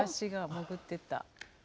潜ってった。